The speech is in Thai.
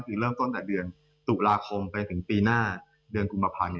คือเริ่มต้นแต่เดือนตุลาคมไปถึงปีหน้าเดือนกุมภาพันธ์